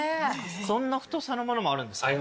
そんな太さのものもあるんですね。